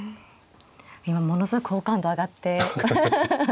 今ものすごく好感度上がって。